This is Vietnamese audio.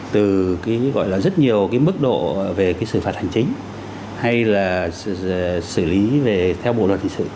từ cái gọi là rất nhiều cái mức độ về cái xử phạt hành chính hay là xử lý về theo bộ luật hình sự